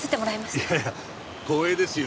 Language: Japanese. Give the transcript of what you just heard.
いやいや光栄ですよ。